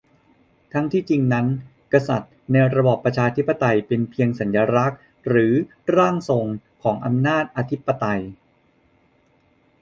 ทั้งที่จริงนั้นกษัตริย์ในระบอบประชาธิปไตยเป็นเพียงสัญลักษณ์หรือ "ร่างทรวง" ของอำนาจอธิปไตย